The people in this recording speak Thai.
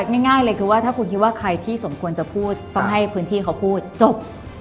ง่ายเลยคือว่าถ้าคุณคิดว่าใครที่สมควรจะพูดต้องให้พื้นที่เขาพูดจบ